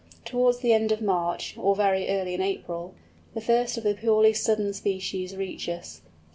Towards the end of March, or very early in April, the first of the purely southern species reach us.